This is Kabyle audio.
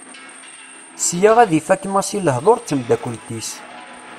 Sya ad ifak Massi lehdur d temddakelt-is.